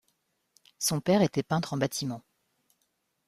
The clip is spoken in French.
Son père était peintre en bâtiment.